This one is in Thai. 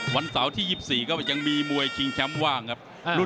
วันเสาร์ที่๒๔ก็ยังมีมวยชิงแชมป์ว่างครับ